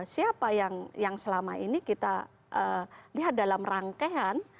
siapa yang selama ini kita lihat dalam rangkaian